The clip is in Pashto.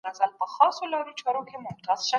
د جرګي په تالار کي به د هیواد د ملي ارادې تمثیل کيده.